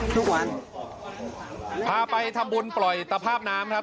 ทุกวันพาไปทำบุญปล่อยตภาพน้ำครับ